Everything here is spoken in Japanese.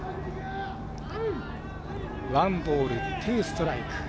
ワンボール、ツーストライク。